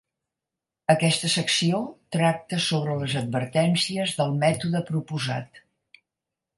Aquesta secció tracta sobre les advertències del mètode proposat.